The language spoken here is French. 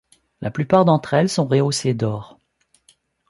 La plupart d'entre elles sont rehaussées d'or.